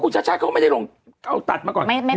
ชาติเขาก็ไม่ได้ลงเอาตัดมาก่อน